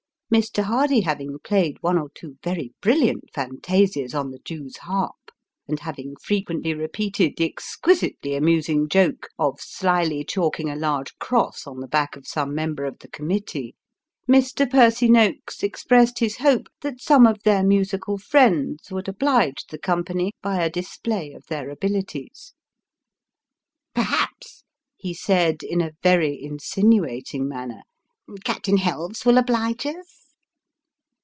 Mr. Hardy, having played one or two very brilliant fantasias on the Jew's harp, and having frequently repeated the exquisitely amusing joke of slily chalking a large cross on the back of some member of the committee, Mr. Percy Noakes expressed his hope that some of their musical friends would oblige the company by a display of their abilities. " Perhaps," he said in a very insinuating manner, " Captain Helves will oblige us?"